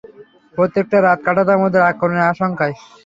প্রত্যেকটা রাত কাটাতাম ওদের আক্রমণের আশংকায়।